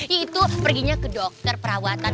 itu perginya ke dokter perawatan